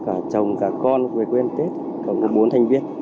và chồng cả con về quê đón tết có bốn thành viên